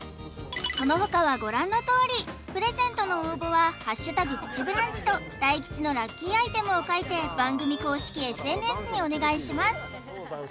そのほかはご覧のとおりプレゼントの応募は「＃プチブランチ」と大吉のラッキーアイテムを書いて番組公式ＳＮＳにお願いします